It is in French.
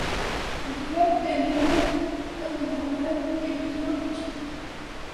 Le club Al Hilal Omdurman est le tenant du titre.